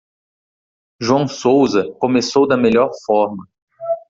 João Sousa começou da melhor forma.